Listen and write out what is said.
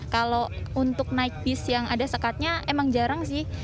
kalau untuk naik bis yang ada sekatnya emang jarang sih